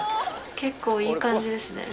結構いい感じですね。